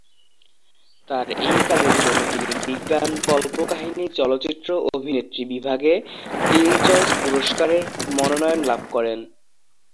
তার এই কাজের জন্য তিনি বিজ্ঞান কল্পকাহিনী/কাল্পনিক চলচ্চিত্র অভিনেত্রী বিভাগে টিন চয়েজ পুরস্কারের মনোনয়ন লাভ করেন।